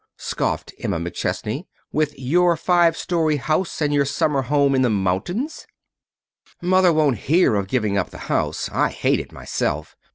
scoffed Emma McChesney, "with your five story house and your summer home in the mountains!" "Mother won't hear of giving up the house. I hate it myself.